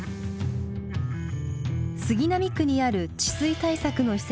杉並区にある治水対策の施設です。